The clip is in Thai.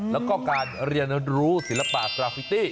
แล้วก็การเรียนรู้ศิลปะกราฟิตี้